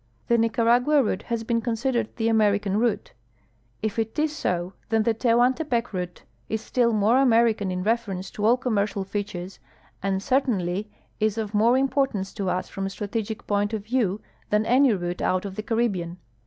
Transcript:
The Nicaragua route has been considered the American route. If it is so, then the Tehuantc])ec route is still more American in reference to all commercial features, and certainly is of more im ])ortance to us from a strategic point of vicAV than any route out of the piril)bean.